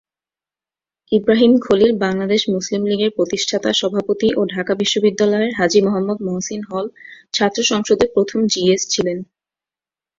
ইব্রাহীম খলিল বাংলাদেশ মুসলিম লীগের প্রতিষ্ঠাতা সভাপতি ও ঢাকা বিশ্ববিদ্যালয়ের হাজী মোহাম্মদ মহসীন হল ছাত্র সংসদের প্রথম জিএস ছিলেন।